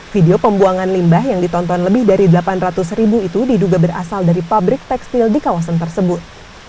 video pembuangan limbah yang ditonton lebih dari delapan ratus ribu itu diduga berasal dari pabrik tekstil di kawasan tersebut